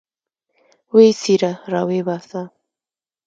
ويې څيره راويې باسه.